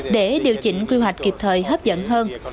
để điều chỉnh quy hoạch kịp thời hấp dẫn hơn